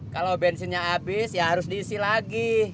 kalau bensinnya habis ya harus diisi lagi